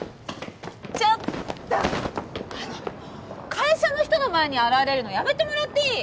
会社の人の前に現れるのやめてもらっていい？